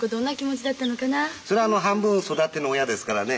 それは半分育ての親ですからね。